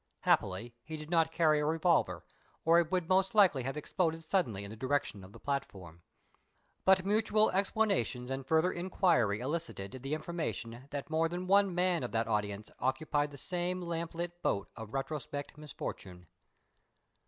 Happily he did not carry a revolver, or it would most likely have exploded suddenly in the direction of the platform. But mutual explanations and further enquiry elicited the information that more than one man of that audience occupied the same lamplit boat of retrospect misfortune.